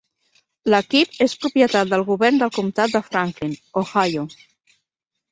L'equip és propietat del govern del Comptat de Franklin, Ohio.